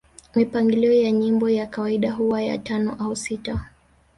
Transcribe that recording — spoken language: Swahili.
Mipangilio ya nyimbo ya kawaida huwa ya tano au sita